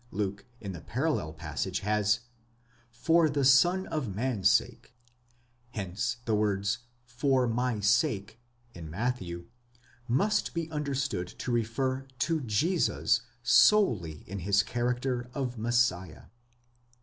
Luke in the parallel passage has, for the Son of man's sake ; hence the words for my sake in Matthew, must be understood to refer to Jesus solely in his character of Messiah.